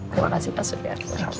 terima kasih pak surya